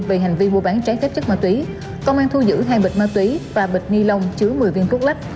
về hành vi mua bán trái phép chất ma túy công an thu giữ hai bịch ma túy và bịch ni lông chứa một mươi viên thuốc lắc